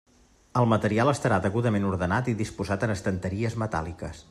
El material estarà degudament ordenat i disposat en estanteries metàl·liques.